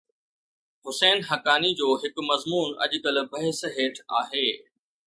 حسين حقاني جو هڪ مضمون اڄڪلهه بحث هيٺ آهي.